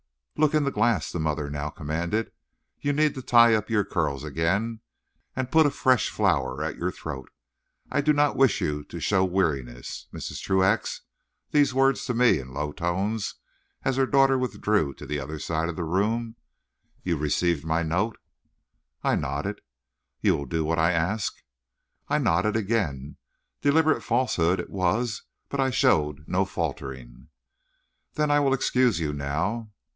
"Look in the glass," the mother now commanded. "You need to tie up your curls again and to put a fresh flower at your throat. I do not wish you to show weariness. Mrs. Truax" these words to me in low tones, as her daughter withdrew to the other side of the room "you received my note?" I nodded. "You will do what I ask?" I nodded again. Deliberate falsehood it was, but I showed no faltering. "Then I will excuse you now."